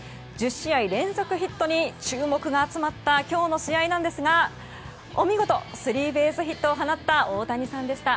１０試合連続ヒットに注目が集まった今日の試合ですがお見事、スリーベースヒットを放った大谷さんでした。